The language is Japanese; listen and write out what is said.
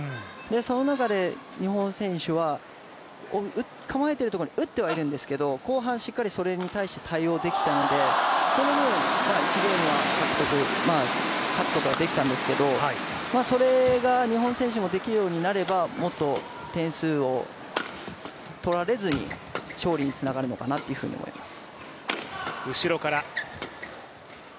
その中で日本選手は構えているところに打ってはいるんですけど後半しっかりそれに対して対応できているので、その分、１ゲームは勝つことができたんですけど、それが日本選手もできるようになればもっと点数を取られずに勝利につながるのかなと思います。